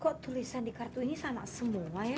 kok tulisan di kartu ini sama semua ya